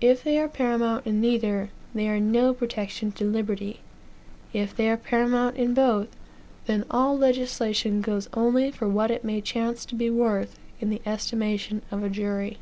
If they are paramount in neither, they are no protection to liberty. If they are paramount in both, then all legislation goes only for what it may chance to be worth in the estimation of a jury.